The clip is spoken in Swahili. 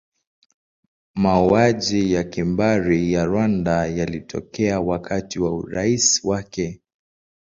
Mauaji ya kimbari ya Rwanda yalitokea wakati wa urais wake.